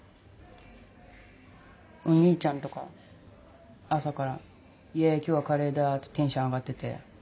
お兄ちゃんとか朝から「イェイ今日はカレーだ」ってテンション上がってて。